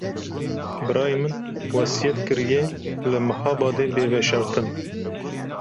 Birayê min wesiyet kiriye li Mihabadê bê veşartin.